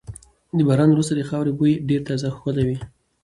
د باران وروسته د خاورې بوی ډېر تازه او ښکلی وي.